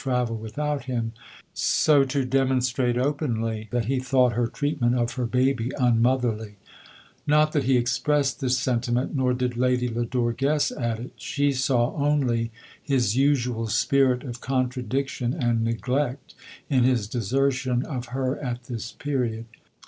129 travel without him, so to demonstrate openly, that he thought her treatment of her baby unmotherly ; not that he expressed this senti ment, nor did Lady Lodore guess at it ; she saw only his usual spirit of contradiction and neglect, in his desertion of her at tins period.